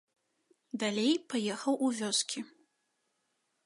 Далей паехаў у вёскі.